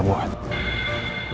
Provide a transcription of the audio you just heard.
mau buat apa kamu